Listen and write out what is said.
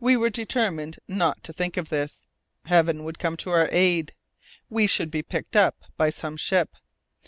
We were determined not to think of this. Heaven would come to our aid. We should be picked up by some ship.